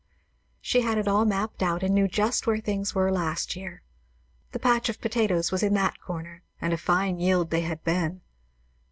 She had it all mapped out, and knew just where things were last year. The patch of potatoes was in that corner, and a fine yield they had been.